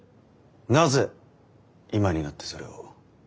なぜ今になってそれを？